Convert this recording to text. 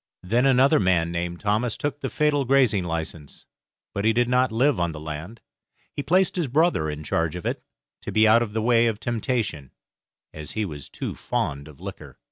Then another man named Thomas took the fatal grazing license, but he did not live on the land. He placed his brother in charge of it, to be out of the way of temptation, as he was too fond of liquor.